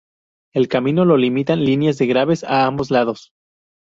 El camino lo limitan líneas de agaves a ambos lados.